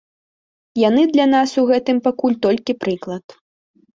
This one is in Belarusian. Яны для нас у гэтым пакуль толькі прыклад.